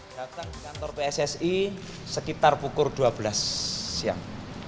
datang ke kantor pssi sekitar pukul dua belas siang